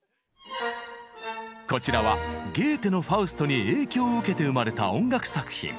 こちらはゲーテの「ファウスト」に影響を受けて生まれた音楽作品。